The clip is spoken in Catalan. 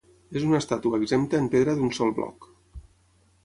És una estàtua exempta en pedra d'un sol bloc.